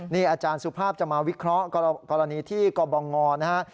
นี่อาจารย์สุภาพจะมาวิเคราะห์กรณีที่กบงนะฮะ